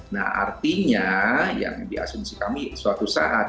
nah artinya yang di asumsi kami suatu saat